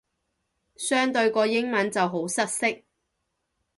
相對個英文就好失色